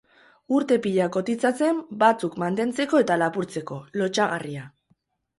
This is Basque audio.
Urte pila kotizatzen, batzuk mantentzeko eta lapurtzeko, lotsagarria.